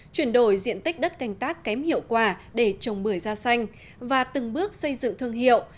chuyển đổi diện tích đất canh tác kém hiệu quả để trồng bưởi da xanh và từng bước xây dựng thương hiệu